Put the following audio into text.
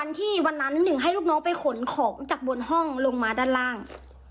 ที่วันนั้นหนึ่งให้ลูกน้องไปขนของจากบนห้องลงมาด้านล่าง